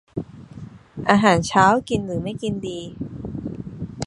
อาหารเช้า กินหรือไม่กินดี